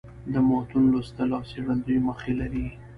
د متون لوستل او څېړل دوې موخي لري.